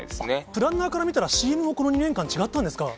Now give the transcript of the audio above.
プランナーから見たら、ＣＭもこの２年間、違ったんですか。